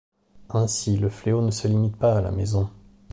Ainsi le fléau ne se limite pas à la maison.